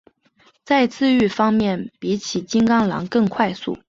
在自愈方面比起金钢狼更快速。